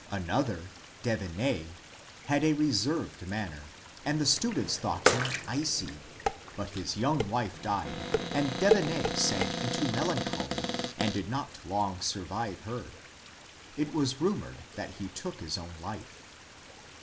Another, Devinney, had a reserved manner, and the students thought him ^^ icy ;" but his young wife died and Devinney sank into melancholy and did not long survive her. It was rumored that he took his own life.